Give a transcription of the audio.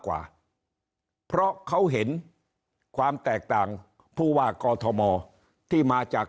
กว่าเพราะเขาเห็นความแตกต่างผู้ว่ากอทมที่มาจาก